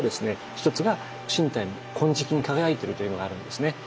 一つが身体に金色に輝いてるというのがあるんですね。